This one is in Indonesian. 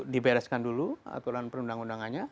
dibereskan dulu aturan perundang undangannya